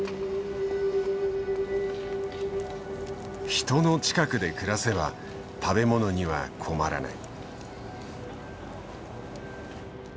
人の近くで暮らせば食べ物には困らない。